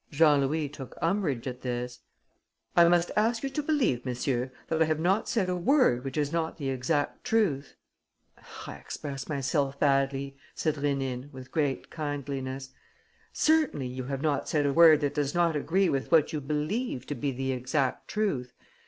Jean Louis took umbrage at this: "I must ask you to believe, monsieur, that I have not said a word which is not the exact truth." "I expressed myself badly," said Rénine, with great kindliness. "Certainly you have not said a word that does not agree with what you believe to be the exact truth.